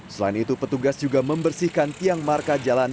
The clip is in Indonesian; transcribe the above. selain itu petugas juga membersihkan tiang marka jalan